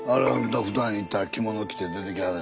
ふだん行ったら着物着て出てきはる。